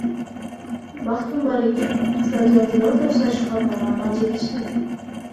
Бактым бар экен, стадиондун ортосуна чуркап барганга жетиштим.